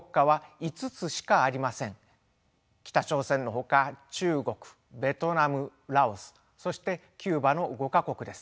北朝鮮のほか中国ベトナムラオスそしてキューバの５か国です。